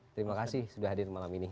terima kasih sudah hadir malam ini